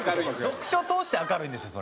読書灯として明るいんですよ